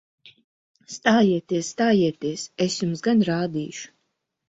Stājieties! Stājieties! Es jums gan rādīšu!